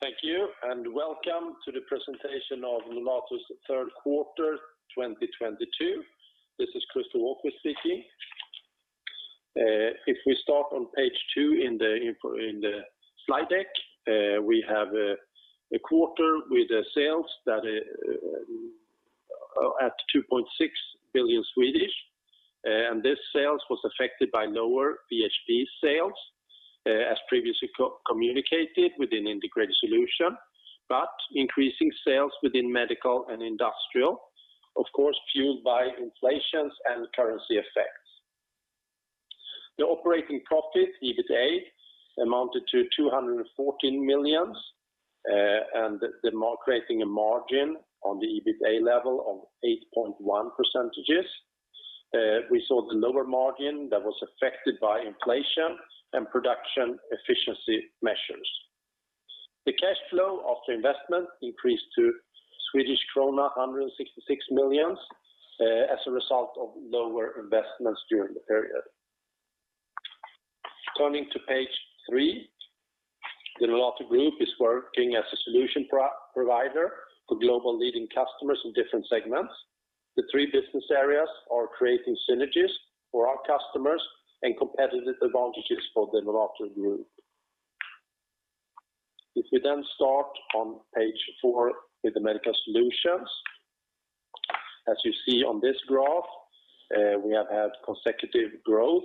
Thank you, and welcome to the presentation of Nolato's third quarter 2022. This is Christer Wahlquist speaking. If we start on page two in the slide deck, we have a quarter with the sales at 2.6 billion. This sales was affected by lower VHP sales, as previously communicated within Integrated Solutions, but increasing sales within Medical and Industrial, of course, fueled by inflation and currency effects. The operating profit, EBITA, amounted to 214 million, and thereby creating a margin on the EBITA level of 8.1%. We saw the lower margin that was affected by inflation and production efficiency measures. The cash flow after investment increased to Swedish krona 166 million, as a result of lower investments during the period. Turning to page three, the Nolato group is working as a solution provider for global leading customers in different segments. The three business areas are creating synergies for our customers and competitive advantages for the Nolato group. If we then start on page four with Medical Solutions, as you see on this graph, we have had consecutive growth,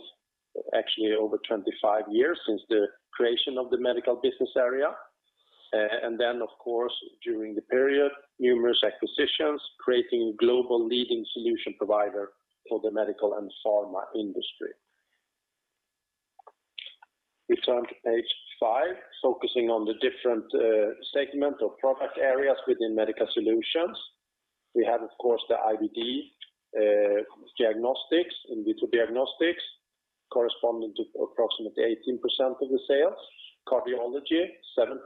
actually over 25 years since the creation of the medical business area. And then, of course, during the period, numerous acquisitions, creating global leading solution provider for the medical and pharma industry. We turn to page five, focusing on the different segment of product areas within Medical Solutions. We have, of course, the IVD, diagnostics, in vitro diagnostics, corresponding to approximately 18% of the sales. Cardiology, 7%.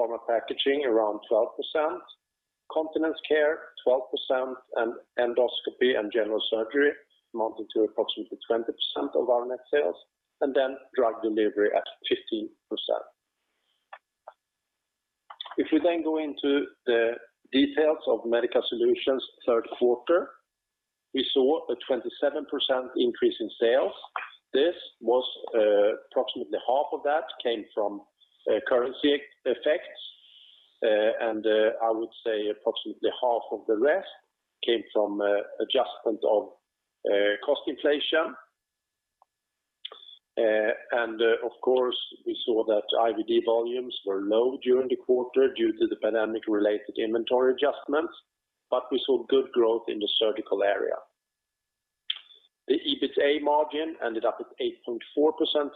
Pharma packaging, around 12%. Continence care, 12%. Endoscopy and General Surgery, amounting to approximately 20% of our net sales. Drug Delivery at 15%. If we then go into the details of Medical Solutions third quarter, we saw a 27% increase in sales. This was approximately half of that came from currency effects. I would say approximately half of the rest came from adjustment of cost inflation. Of course, we saw that IVD volumes were low during the quarter due to the pandemic related inventory adjustments, but we saw good growth in the surgical area. The EBITA margin ended up at 8.4%,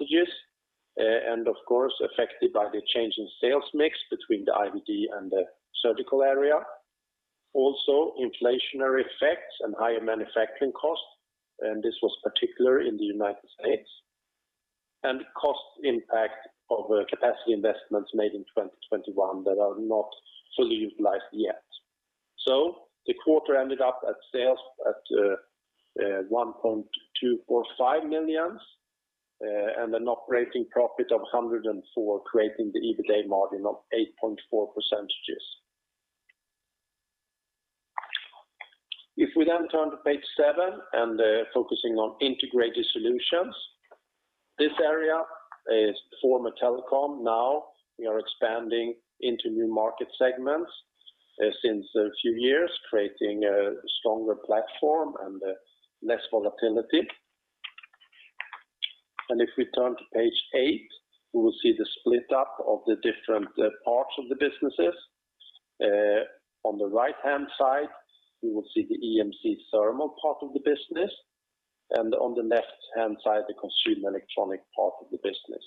and of course, affected by the change in sales mix between the IVD and the surgical area. Also, inflationary effects and higher manufacturing costs, and this was particularly in the United States. Cost impact of the capacity investments made in 2021 that are not fully utilized yet. The quarter ended up at sales of 1.245 million and an operating profit of 104 million, creating the EBITA margin of 8.4%. If we then turn to page seven and focusing on Integrated Solutions, this area is former telecom. Now we are expanding into new market segments since a few years, creating a stronger platform and less volatility. If we turn to page eight, we will see the split up of the different parts of the businesses. On the right-hand side, we will see the EMC thermal part of the business, and on the left-hand side, the Consumer Electronics part of the business.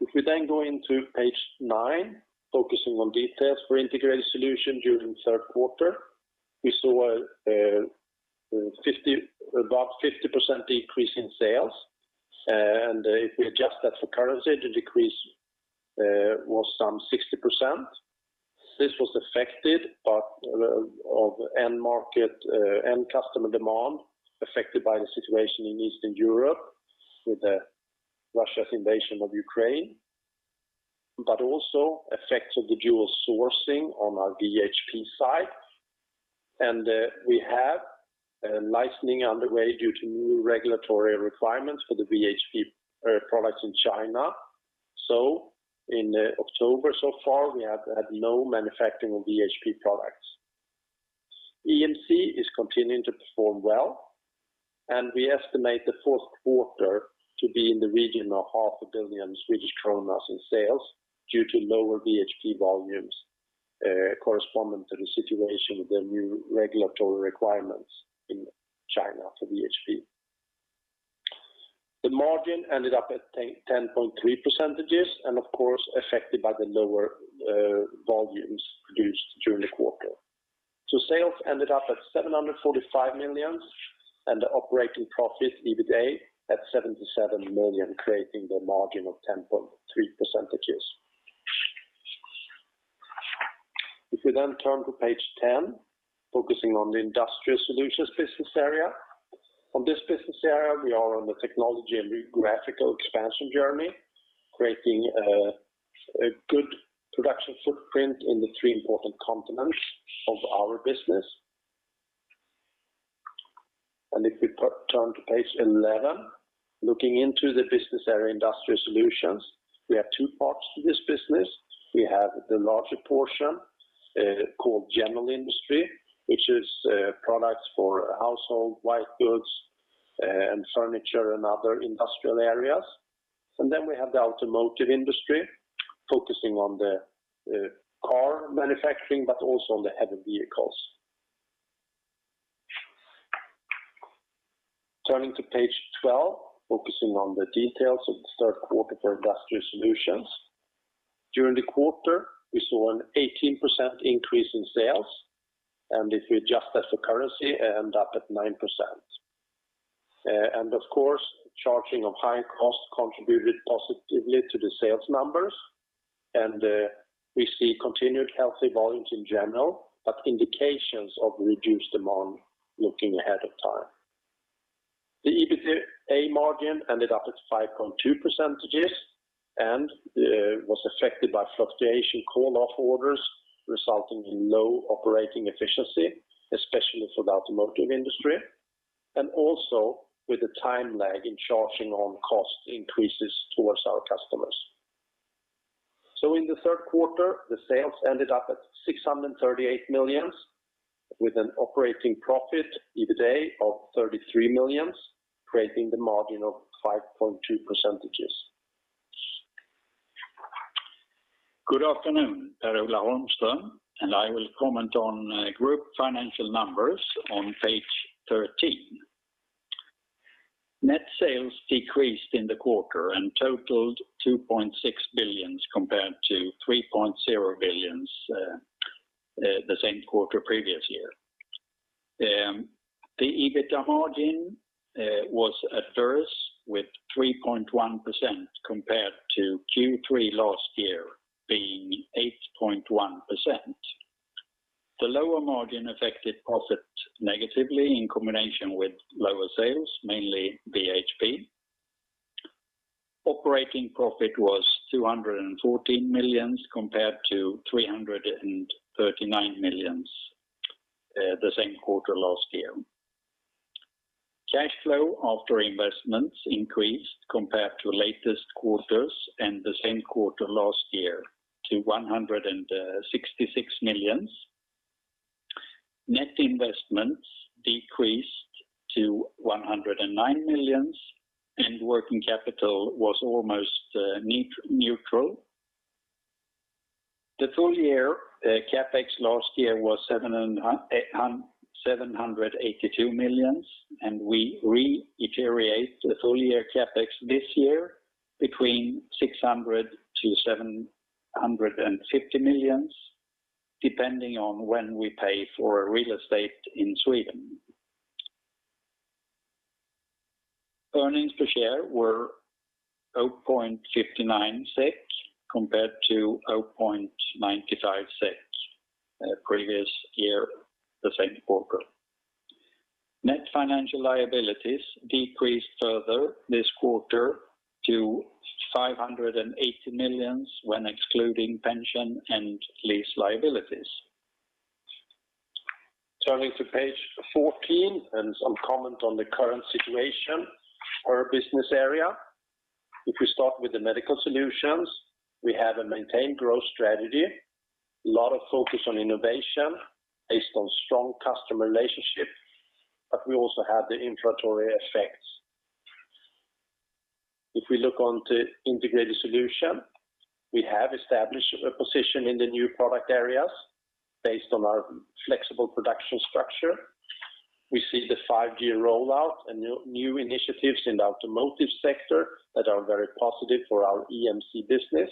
If we then go into page nine, focusing on details for Integrated Solutions during third quarter, we saw about 50% decrease in sales. If we adjust that for currency, the decrease was some 60%. This was affected in part by end-market and end-customer demand affected by the situation in Eastern Europe with Russia's invasion of Ukraine, but also by the dual sourcing on our VHP side. We have a licensing underway due to new regulatory requirements for the VHP products in China. In October so far, we have had no manufacturing of VHP products. EMC is continuing to perform well, and we estimate the fourth quarter to be in the region of half a billion SEK in sales due to lower VHP volumes, corresponding to the situation with the new regulatory requirements in China for VHP. The margin ended up at 10.3% and of course affected by the lower volumes produced during the quarter. Sales ended up at 745 million and the operating profit EBITA at 77 million, creating the margin of 10.3%. If we then turn to page 10, focusing on the Industrial Solutions business area. On this business area, we are on the technology and geographical expansion journey, creating a good production footprint in the three important continents of our business. Turn to page 11, looking into the business area Industrial Solutions, we have two parts to this business. We have the larger portion, called General Industry, which is products for household, white goods, and furniture and other industrial areas. Then we have the Automotive Industry focusing on the car manufacturing, but also on the heavy vehicles. Turning to page 12, focusing on the details of the third quarter for Industrial Solutions. During the quarter, we saw an 18% increase in sales, and if we adjust that for currency, end up at 9%. Of course, charging of high costs contributed positively to the sales numbers, and we see continued healthy volumes in general, but indications of reduced demand looking ahead of time. The EBITDA margin ended up at 5.2% and was affected by fluctuation call-off orders, resulting in low operating efficiency, especially for the automotive industry, and also with a time lag in charging on cost increases towards our customers. In the third quarter, the sales ended up at 638 million, with an operating profit, EBITA, of 33 million, creating the margin of 5.2%. Good afternoon, Per-Ola Holmström, and I will comment on group financial numbers on page 13. Net sales decreased in the quarter and totaled 2.6 billion compared to 3.0 billion, the same quarter previous year. The EBITA margin was adverse with 3.1% compared to Q3 last year being 8.1%. The lower margin affected profit negatively in combination with lower sales, mainly VHP. Operating profit was 214 million compared to 339 million, the same quarter last year. Cash flow after investments increased compared to latest quarters and the same quarter last year to 166 million. Net investments decreased to 109 million, and working capital was almost neutral. The full year CapEx last year was 782 million, and we reiterate the full year CapEx this year between 600 million-750 million, depending on when we pay for real estate in Sweden. Earnings per share were 0.59 SEK compared to 0.95 SEK, previous year, the same quarter. Net financial liabilities decreased further this quarter to 580 million when excluding pension and lease liabilities. Turning to page 14 and some comment on the current situation for our business area. If we start with the Medical Solutions, we have a maintained growth strategy, a lot of focus on innovation based on strong customer relationships, but we also have the inflationary effects. If we look into Integrated Solutions, we have established a position in the new product areas based on our flexible production structure. We see the 5G rollout and new initiatives in the automotive sector that are very positive for our EMC business.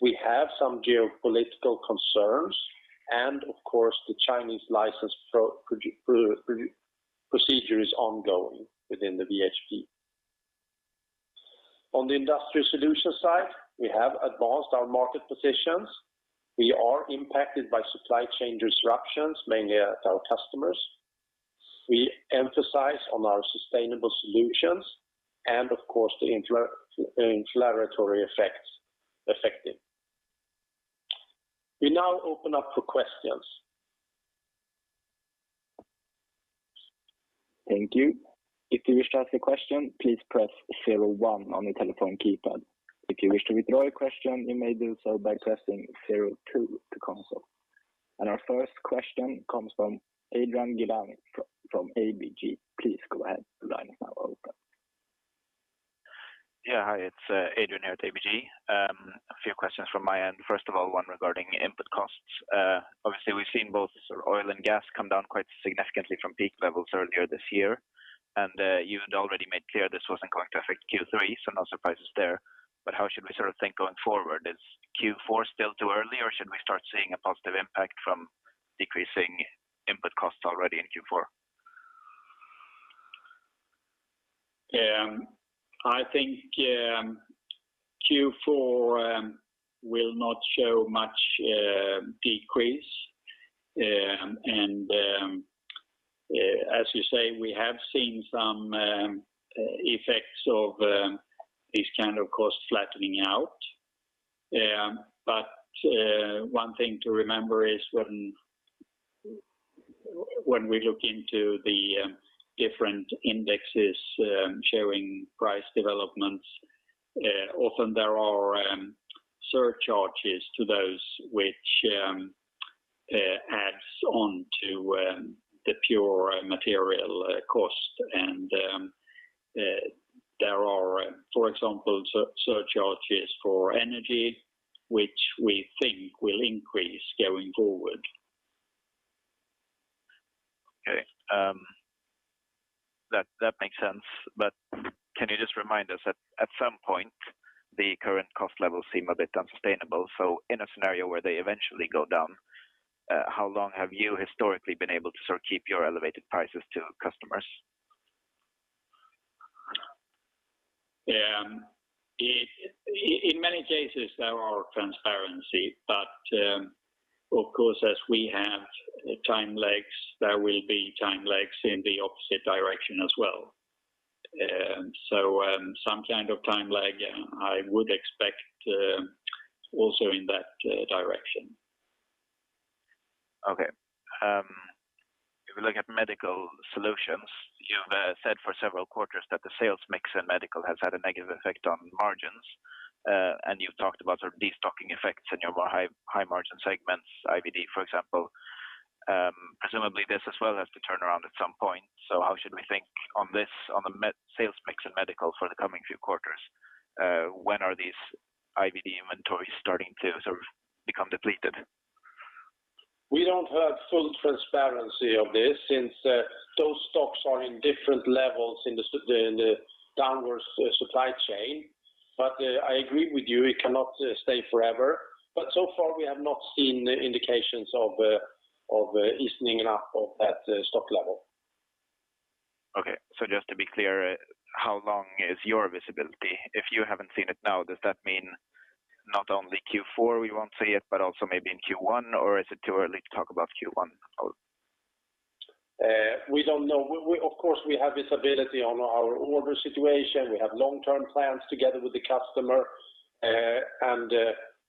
We have some geopolitical concerns, and of course, the Chinese license procedure is ongoing within the VHP. On the Industrial Solutions side, we have advanced our market positions. We are impacted by supply chain disruptions, mainly at our customers. We emphasize on our sustainable solutions and of course, the inflationary effects affecting. We now open up for questions. Thank you. If you wish to ask a question, please press zero one on your telephone keypad. If you wish to withdraw your question, you may do so by pressing zero two to cancel. Our first question comes from Adrian Gilani from ABG. Please go ahead. The line is now open. Yeah. Hi, it's Adrian here at ABG. A few questions from my end. First of all, one regarding input costs. Obviously, we've seen both sort of oil and gas come down quite significantly from peak levels earlier this year. You had already made clear this wasn't going to affect Q3, so no surprises there. How should we sort of think going forward? Is Q4 still too early, or should we start seeing a positive impact from decreasing input costs already in Q4? I think Q4 will not show much decrease. As you say, we have seen some effects of this kind of cost flattening out. One thing to remember is when we look into the different indexes showing price developments, often there are surcharges to those which adds on to the pure material cost. There are, for example, surcharges for energy, which we think will increase going forward. Okay. That makes sense. Can you just remind us, at some point, the current cost levels seem a bit unsustainable. In a scenario where they eventually go down, how long have you historically been able to sort of keep your elevated prices to customers? In many cases there are transparency, but, of course, as we have time lags, there will be time lags in the opposite direction as well. Some kind of time lag, I would expect, also in that direction. Okay. If we look at Medical Solutions, you've said for several quarters that the sales mix in medical has had a negative effect on margins. You've talked about sort of destocking effects in your high margin segments, IVD, for example. Presumably this as well has to turn around at some point. How should we think on this, on the sales mix in medical for the coming few quarters? When are these IVD inventories starting to sort of become depleted? We don't have full transparency of this since those stocks are in different levels in the downstream supply chain. I agree with you, it cannot stay forever. So far we have not seen indications of easing up of that stock level. Okay. Just to be clear, how long is your visibility? If you haven't seen it now, does that mean not only Q4 we won't see it, but also maybe in Q1? Or is it too early to talk about Q1 at all? We don't know. We of course have visibility on our order situation. We have long term plans together with the customer.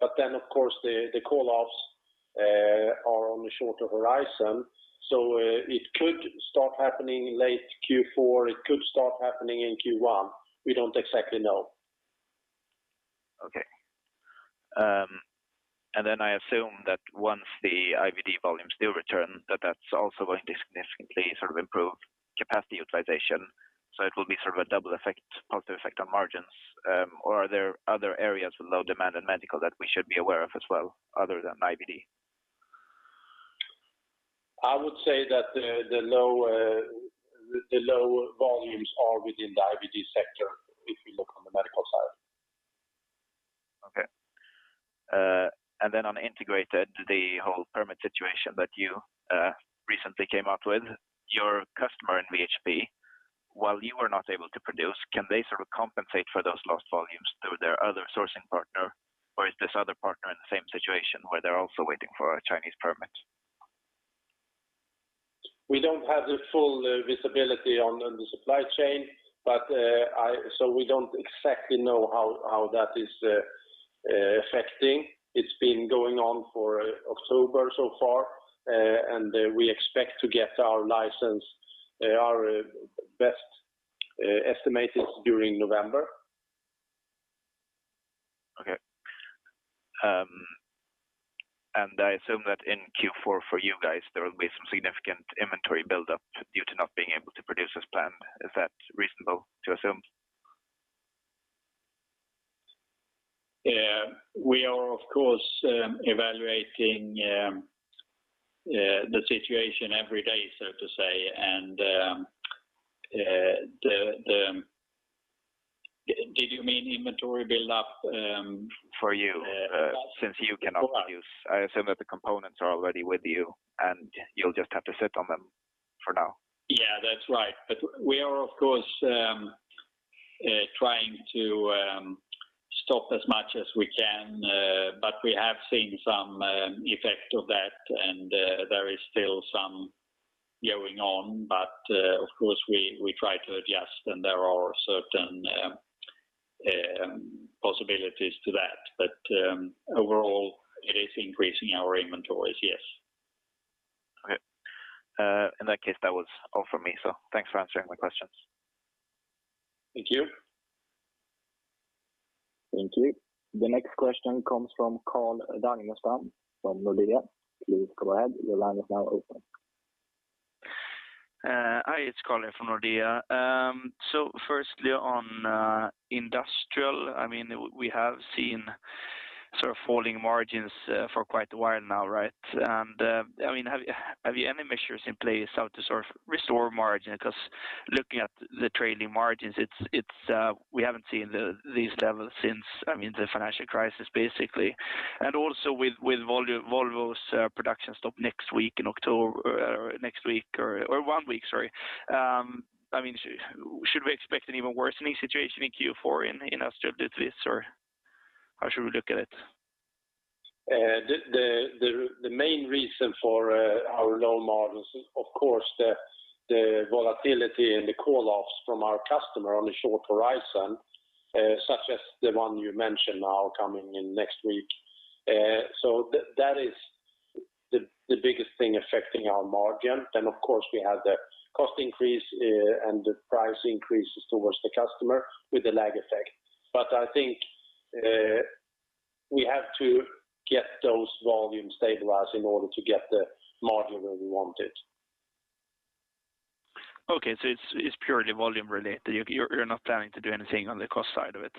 Of course the call offs are on the shorter horizon. It could start happening late Q4. It could start happening in Q1. We don't exactly know. Okay. Then I assume that once the IVD volumes do return, that that's also going to significantly sort of improve capacity utilization. It will be sort of a double effect, positive effect on margins. Are there other areas with low demand in medical that we should be aware of as well other than IVD? I would say that the low volumes are within the IVD sector if we look on the medical side. Okay. On integrated, the whole permit situation that you recently came out with, your customer in VHP, while you are not able to produce, can they sort of compensate for those lost volumes through their other sourcing partner? Or is this other partner in the same situation where they're also waiting for a Chinese permit? We don't have the full visibility on the supply chain, but so we don't exactly know how that is affecting. It's been going on for October so far, and we expect to get our license. Our best estimate is during November. Okay. I assume that in Q4 for you guys, there will be some significant inventory buildup due to not being able to produce as planned. Is that reasonable to assume? Yeah. We are of course evaluating the situation every day, so to say. Did you mean inventory buildup? For you, since you cannot produce. I assume that the components are already with you, and you'll just have to sit on them for now. Yeah, that's right. We are of course trying to stop as much as we can. We have seen some effect of that, and there is still some going on. Of course we try to adjust, and there are certain possibilities to that. Overall it is increasing our inventories. Yes. Okay. In that case, that was all for me. Thanks for answering my questions. Thank you. Thank you. The next question comes from Carl Ragnerstam from Nordea. Please go ahead. Your line is now open. Hi, it's Carl from Nordea. So firstly on Industrial, I mean, we have seen sort of falling margins for quite a while now, right? I mean, have you any measures in place how to sort of restore margin? Because looking at the trailing margins, it's we haven't seen these levels since, I mean, the financial crisis basically. Also with Volvo's production stop next week in October, or one week, sorry. I mean, should we expect an even worsening situation in Q4 in Industrial Solutions or? How should we look at it? The main reason for our low margins, of course, the volatility and the call-offs from our customer on the short horizon, such as the one you mentioned now coming in next week. That is the biggest thing affecting our margin. Of course we have the cost increase, and the price increases towards the customer with the lag effect. I think, we have to get those volumes stabilized in order to get the margin where we want it. Okay, it's purely volume related. You're not planning to do anything on the cost side of it?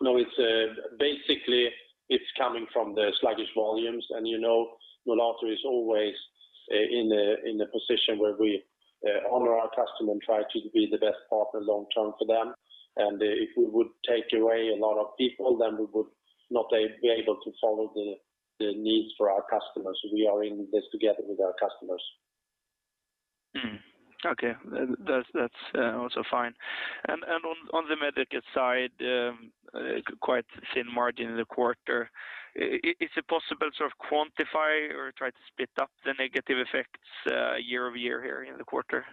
No. It's basically it's coming from the sluggish volumes and, you know, Nolato is always in a position where we honor our customer and try to be the best partner long-term for them. If we would take away a lot of people, then we would not be able to follow the needs for our customers. We are in this together with our customers. Okay. That's also fine. On the medical side, quite thin margin in the quarter. Is it possible to sort of quantify or try to split up the negative effects, year over year here in the quarter?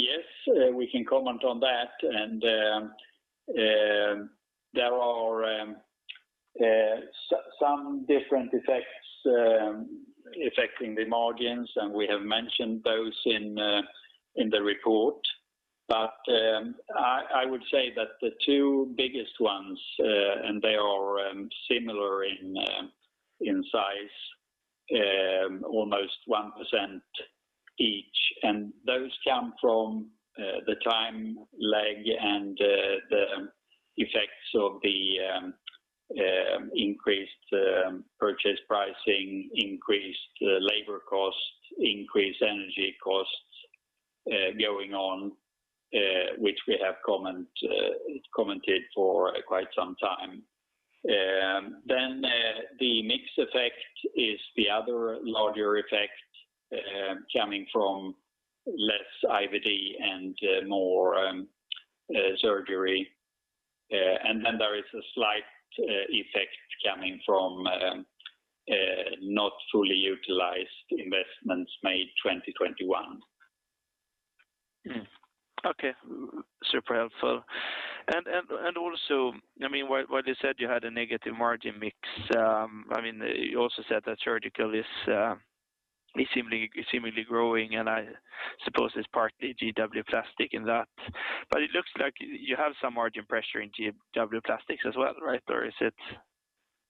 Yes, we can comment on that. There are some different effects affecting the margins, and we have mentioned those in the report. I would say that the two biggest ones and they are similar in size, almost 1% each, and those come from the time lag and the effects of the increased purchase pricing, increased labor costs, increased energy costs going on, which we have commented for quite some time. The mix effect is the other larger effect coming from less IVD and more surgery. There is a slight effect coming from not fully utilized investments made 2021. Okay. Super helpful. Also, I mean, what you said you had a negative margin mix. I mean, you also said that surgical is seemingly growing, and I suppose it's partly GW Plastics in that. It looks like you have some margin pressure in GW Plastics as well, right? Or is it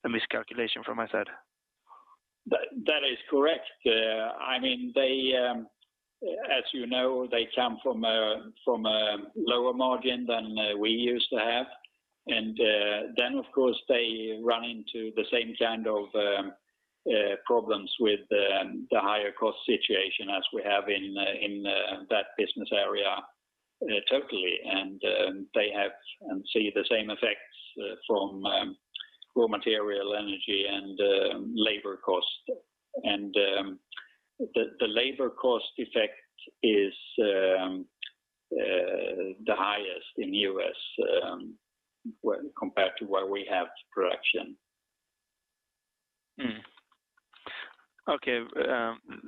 a miscalculation from my side? That is correct. I mean, as you know, they come from a lower margin than we used to have. Then of course, they run into the same kind of problems with the higher cost situation as we have in that business area, totally. They have seen the same effects from raw material, energy and labor costs. The labor cost effect is the highest in the U.S., when compared to where we have production. Okay.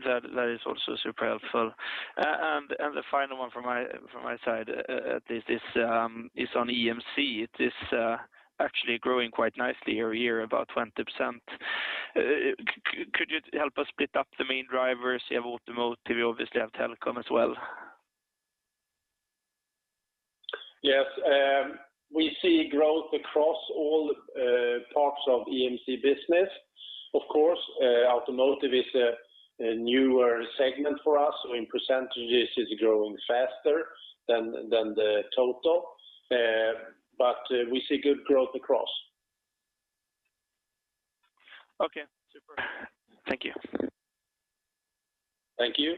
That is also super helpful. The final one from my side is on EMC. It is actually growing quite nicely year-over-year, about 20%. Could you help us split up the main drivers? You have automotive, you obviously have telecom as well. Yes. We see growth across all parts of EMC business. Of course, automotive is a newer segment for us. In percentages, it's growing faster than the total. We see good growth across. Okay. Super. Thank you. Thank you.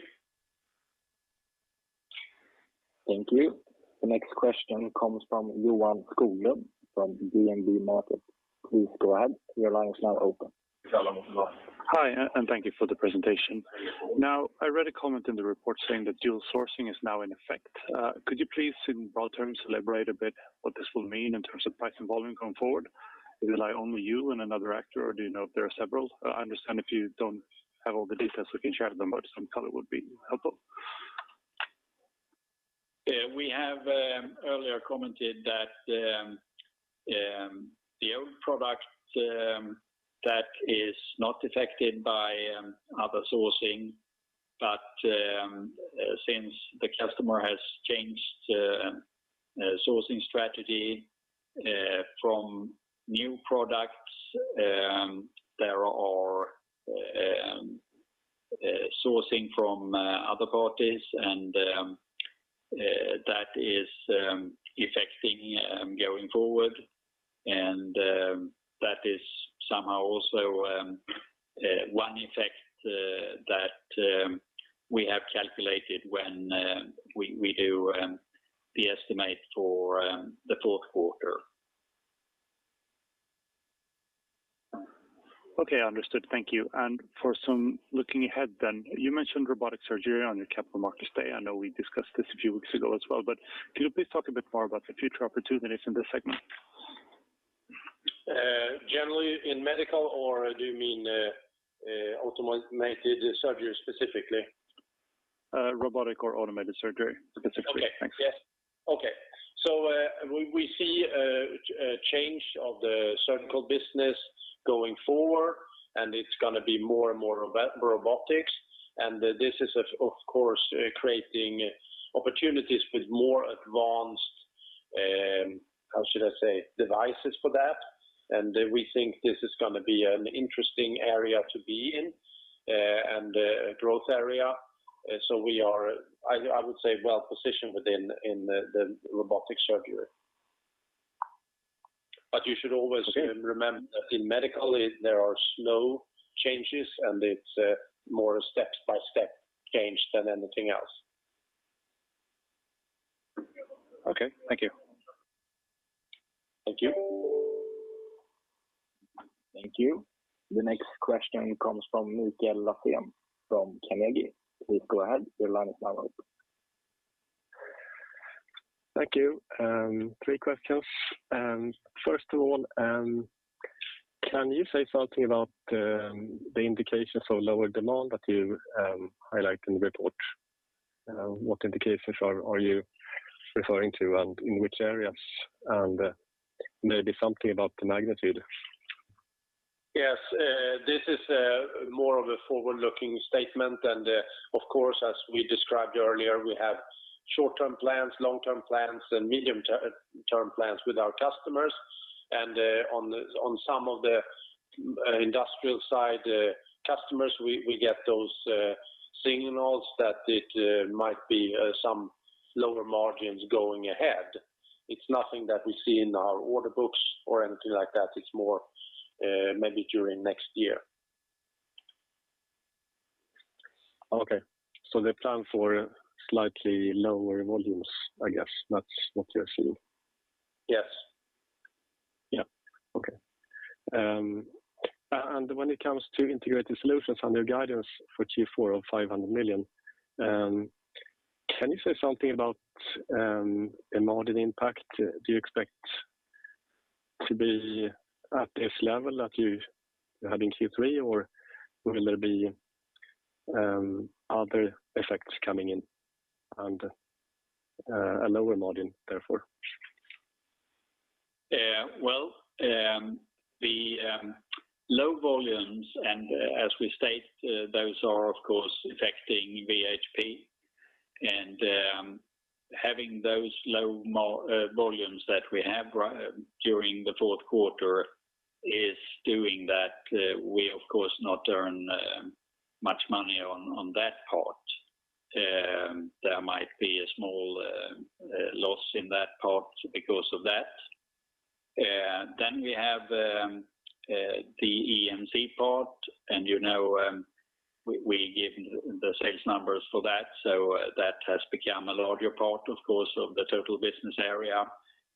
Thank you. The next question comes from Johan Skoglund from DNB Markets. Please go ahead. Your line is now open. Hi, and thank you for the presentation. Now, I read a comment in the report saying that dual sourcing is now in effect. Could you please, in broad terms, elaborate a bit what this will mean in terms of price and volume going forward? Is it like only you and another actor, or do you know if there are several? I understand if you don't have all the details, we can share them, but some color would be helpful. Yeah. We have earlier commented that the old product that is not affected by other sourcing. Since the customer has changed sourcing strategy for new products, there are sourcing from other parties, and that is affecting going forward. That is somehow also one effect that we have calculated when we do the estimate for the fourth quarter. Okay, understood. Thank you. For some looking ahead then, you mentioned robotic surgery on your capital markets day. I know we discussed this a few weeks ago as well, but can you please talk a bit more about the future opportunities in this segment? Generally in medical or do you mean automated surgery specifically? Robotic or automated surgery specifically. Thanks. Okay. Yes. Okay. We see a change of the surgical business going forward, and it's gonna be more and more robotics. This is of course creating opportunities with more advanced, how should I say, devices for that. We think this is gonna be an interesting area to be in, and a growth area. We are, I would say, well-positioned within the robotic surgery. You should always remember that in medical, there are slow changes, and it's more a step-by-step change than anything else. Okay, thank you. Thank you. Thank you. The next question comes from Michael Lofgren from Carnegie. Please go ahead. Your line is now open. Thank you. Three questions. First of all, can you say something about the indications for lower demand that you highlight in the report? What indications are you referring to and in which areas, and maybe something about the magnitude? Yes. This is more of a forward-looking statement. Of course, as we described earlier, we have short-term plans, long-term plans, and medium-term plans with our customers. On some of the industrial side customers, we get those signals that it might be some lower margins going ahead. It's nothing that we see in our order books or anything like that. It's more, maybe during next year. Okay. They plan for slightly lower volumes, I guess. That's what you're seeing. Yes. When it comes to Integrated Solutions and their guidance for Q4 of 500 million, can you say something about a margin impact? Do you expect to be at this level that you had in Q3, or will there be other effects coming in and a lower margin, therefore? Well, the low volumes, and as we state, those are, of course, affecting VHP. Having those low volumes that we have during the fourth quarter is doing that. We, of course, do not earn much money on that part. There might be a small loss in that part because of that. We have the EMC part, and you know, we give the sales numbers for that. That has become a larger part, of course, of the total business area.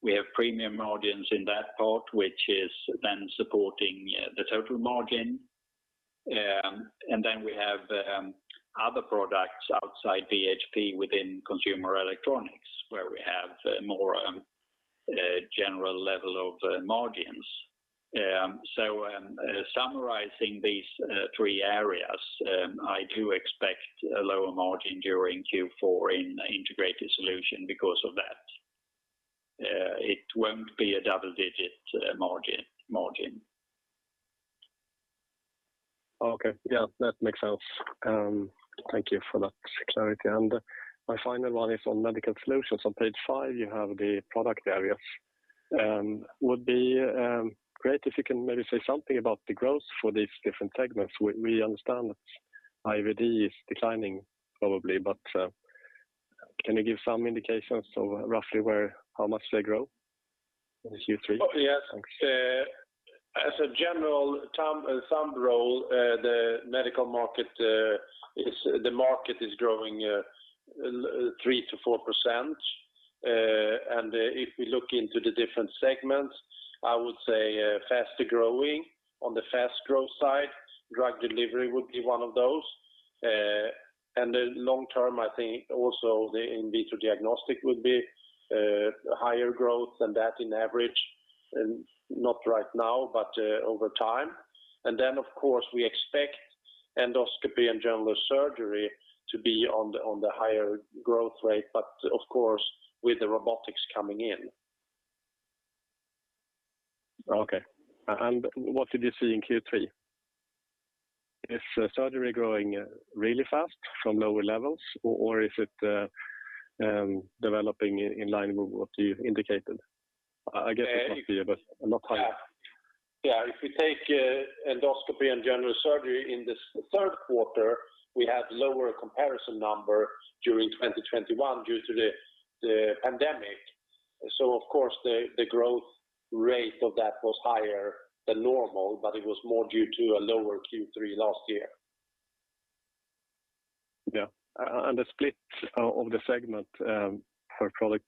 We have premium margins in that part, which is then supporting the total margin. We have other products outside VHP within consumer electronics, where we have more general level of margins. Summarizing these three areas, I do expect a lower margin during Q4 in Integrated Solutions because of that. It won't be a double-digit margin. Okay. Yeah, that makes sense. Thank you for that clarity. My final one is on Medical Solutions. On page five, you have the product areas. Would be great if you can maybe say something about the growth for these different segments. We understand that IVD is declining probably, but can you give some indications of how much they grow in the Q3? Oh, yes. Thanks. As a general rule of thumb, the medical market is growing 3%-4%. If we look into the different segments, I would say faster growing on the fast growth side, Drug Delivery would be one of those. In the long term, I think also the in vitro diagnostics would be higher growth than that in average, and not right now, but over time. Then, of course, we expect Endoscopy and General Surgery to be on the higher growth rate, but of course, with the robotics coming in. Okay. What did you see in Q3? Is surgery growing really fast from lower levels, or is it developing in line with what you've indicated? I guess it must be, but I'm not quite. Yeah. Yeah. If we take Endoscopy and General Surgery in this third quarter, we have lower comparison number during 2021 due to the pandemic. Of course, the growth rate of that was higher than normal, but it was more due to a lower Q3 last year. The split of the segment for product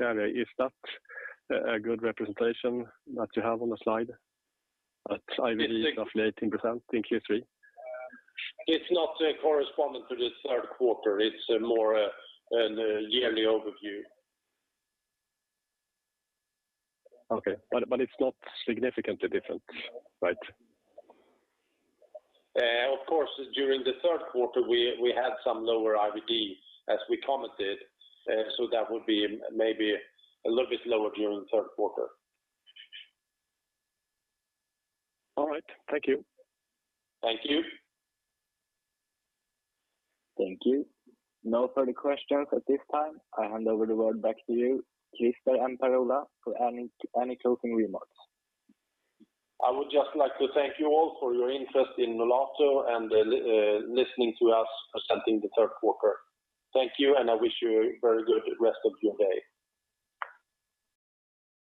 area, is that a good representation that you have on the slide? That IVD is roughly 18% in Q3. It's not corresponding to this third quarter. It's more, an yearly overview. Okay. It's not significantly different, right? Of course, during the third quarter, we had some lower IVD, as we commented. That would be maybe a little bit lower during the third quarter. All right. Thank you. Thank you. Thank you. No further questions at this time. I hand over the word back to you, Christer and Per-Ola, for any closing remarks. I would just like to thank you all for your interest in Nolato and listening to us presenting the third quarter. Thank you, and I wish you a very good rest of your day.